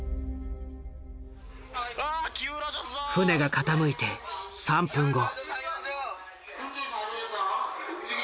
船が傾いて３分後。